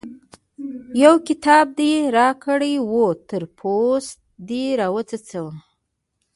يو کتاب دې راکړی وو؛ تر پوست دې راوڅڅاوو.